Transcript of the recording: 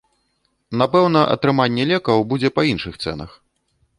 Напэўна, атрыманне лекаў будзе па іншых цэнах.